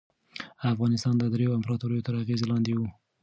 افغانستان د دریو امپراطوریو تر اغېز لاندې و.